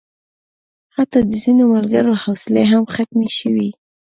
حتی د ځینو ملګرو حوصلې هم ختمې شوې.